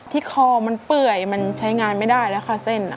คอมันเปื่อยมันใช้งานไม่ได้แล้วค่ะเส้น